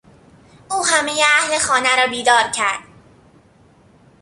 او همهی اهل خانه را بیدار کرد!